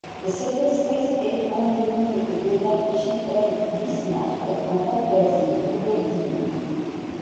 Cette espèce est endémique de l'Archipel Bismarck en Papouasie-Nouvelle-Guinée.